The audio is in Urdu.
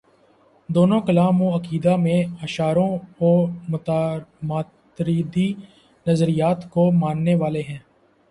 دونوں کلام و عقیدہ میں اشعری و ماتریدی نظریات کو ماننے والے ہیں۔